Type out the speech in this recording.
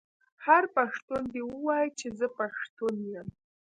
هر پښتون دې ووايي چې زه پښتو یم.